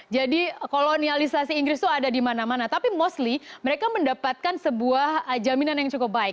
jadi kolonialisasi inggris itu ada di mana mana tapi mostly mereka mendapatkan sebuah jaminan yang cukup baik